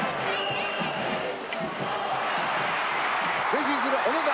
前進する小野寺。